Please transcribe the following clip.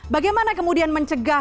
bagaimana kemudian mencegah